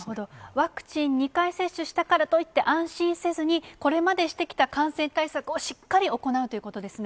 ワクチン２回接種したからといって安心せずに、これまでしてきた感染対策をしっかり行うということですね。